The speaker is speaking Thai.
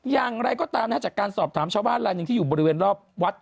อย่างไรก็ตามนะฮะจากการสอบถามชาวบ้านลายหนึ่งที่อยู่บริเวณรอบวัด